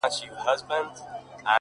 • د جهاني غوندي د ورځي په رڼا درځمه ,